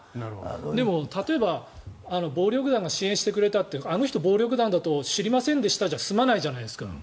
でも例えば、暴力団が支援してくれたってあの人、暴力団だと知りませんでしたじゃ済まないじゃないですか。